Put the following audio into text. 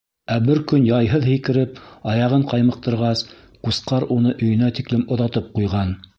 Ә бер көн яйһыҙ һикереп, аяғын ҡаймыҡтырғас, Ҡусҡар уны өйөнә тиклем оҙатып ҡуйған.